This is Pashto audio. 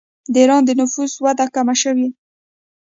د ایران د نفوس وده کمه شوې.